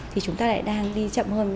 thì chúng ta lại đang đi chậm hơn